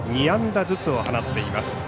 ２安打ずつを放っています。